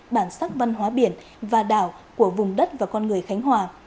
bản sắc văn hóa biển và đảo của vùng đất và con người khánh hòa